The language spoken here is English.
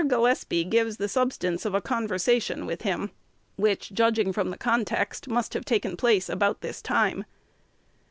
Gillespie gives the substance of a conversation with him, which, judging from the context, must have taken place about this time.